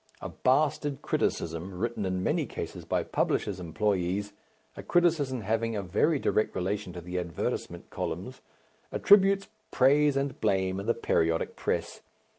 A bastard criticism, written in many cases by publishers' employees, a criticism having a very direct relation to the advertisement columns, distributes praise and blame in the periodic press.